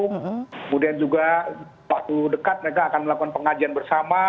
kemudian juga waktu dekat mereka akan melakukan pengajian bersama